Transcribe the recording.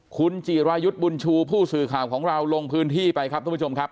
คุณจิรายุทธ์บุญชูผู้สื่อข่าวของเราลงพื้นที่ไปครับทุกผู้ชมครับ